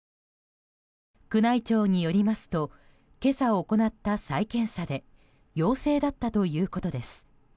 宮内庁によりますと今朝行った再検査で陽性だったということです。